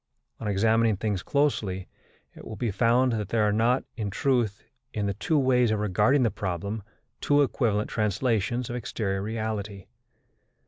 On examining things closely, it will be found that there are not, in truth, in the two ways of regarding the problem, two equivalent translations of exterior reality.